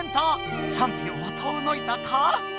チャンピオンは遠のいたか？